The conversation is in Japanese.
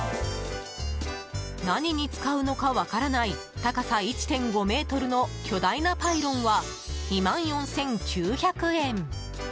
何に使うのか分からない高さ１．５ｍの巨大なパイロンは２万４９００円。